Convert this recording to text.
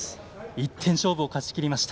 １点勝負を勝ちきりました。